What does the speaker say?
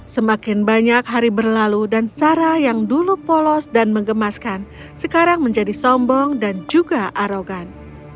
semakin banyak hari berlalu dan sarah yang dulu polos dan mengemaskan sekarang menjadi sombong dan juga arogan